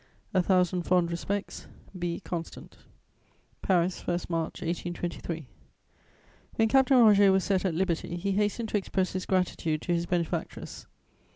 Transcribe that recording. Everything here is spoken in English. "A thousand fond respects. "B. CONSTANT. "PARIS, 1 March 1823." When Captain Roger was set at liberty, he hastened to express his gratitude to his benefactress.